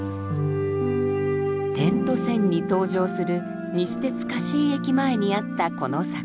「点と線」に登場する西鉄香椎駅前にあったこの桜。